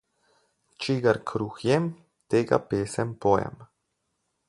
Čigar kruh jem, tega pesem pojem.